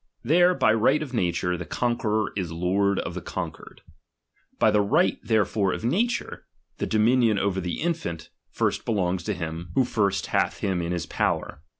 i„" There by right of nature the conqueror is lord of the conquered. By the right therefore of nature, the dominion over the infant first belongs to him DOMINION. CHAP. ix. who first hath him iu his power.